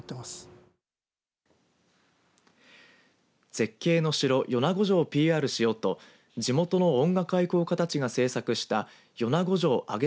絶景の城、米子城をＰＲしようと地元の音楽愛好家たちが制作した米子城あげ